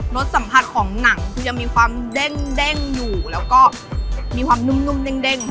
สสัมผัสของหนังคือยังมีความเด้งอยู่แล้วก็มีความนุ่มเด้ง